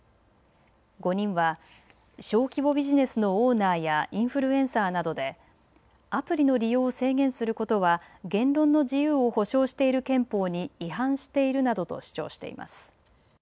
５人は小規模ビジネスのオーナーやインフルエンサーなどでアプリの利用を制限することは言論の自由を保障している憲法に違反しているなどと主張しています。